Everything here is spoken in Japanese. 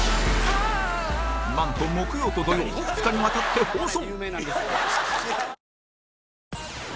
なんと木曜と土曜２日にわたって放送！